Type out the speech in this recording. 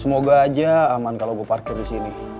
semoga aja aman kalau gue parkir di sini